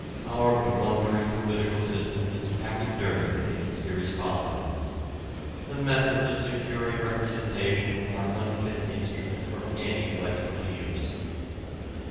Our blundering political system is pachydermic in its irresponsiveness. The methods of securing representation are unfit instruments for any flexible use.